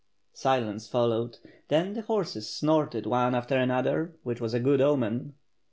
Silence followed, then the horses snorted one after another, which was a good omen.